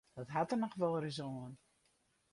Dat hat der noch wolris oan.